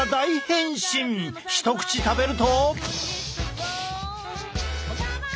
一口食べると。